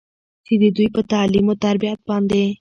چې د دوي پۀ تعليم وتربيت باندې